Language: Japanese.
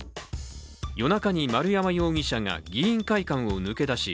夜中に丸山容疑者が、議員会館を抜け出し